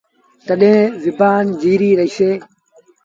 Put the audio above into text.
تڏهيݩ زبآن جيٚريٚ رهيٚسي۔